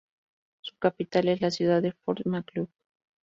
Su capital es la ciudad de Fort Macleod.